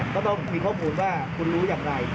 ก็ต้องมีข้อมูลว่าคุณรู้อย่างไร